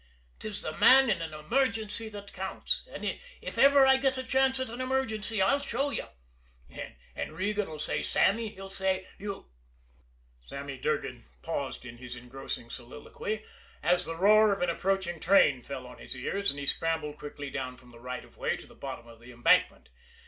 'Tis the man in an emergency that counts, and if ever I get a chance at an emergency I'll show you.' And Regan'll say: 'Sammy,' he'll say, 'you '" Sammy Durgan paused in his engrossing soliloquy as the roar of an approaching train fell on his ears, and he scrambled quickly down from the right of way to the bottom of the embankment.